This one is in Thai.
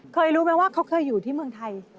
รู้ไหมว่าเขาเคยอยู่ที่เมืองไทย